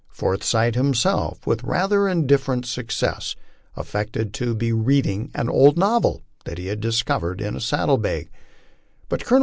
Forsyth himself, with rather indifferent success, affected to be reading an old novel that he had discovered in a saddlebag ; but Colonel 98 LIFE ON THE PLAINS.